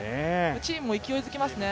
チームも勢いづきますね。